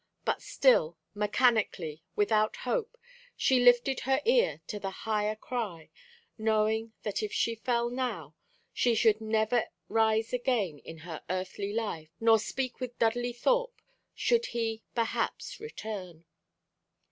But still, mechanically, without hope, she lifted her ear to the higher cry, knowing that if she fell now she should never rise again in her earthly life, nor speak with Dudley Thorpe, should he, perhaps, return.